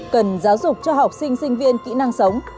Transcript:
cần giáo dục cho học sinh sinh viên kỹ năng sống